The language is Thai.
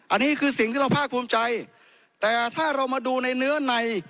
อันนี้คือสิ่งที่เราภาคภูมิใจแต่ถ้าเรามาดูในเนื้อใน